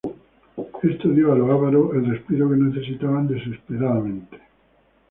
Esto dio a los ávaros el respiro que necesitaban desesperadamente.